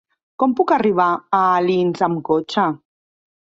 Com puc arribar a Alins amb cotxe?